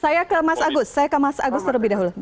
saya ke mas agus saya ke mas agus terlebih dahulu